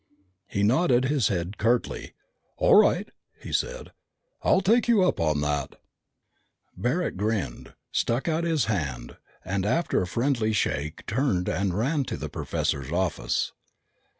He nodded his head curtly. "All right," he said. "I'll take you up on that." Barret grinned, stuck out his hand, and after a friendly shake turned and ran to the professor's office.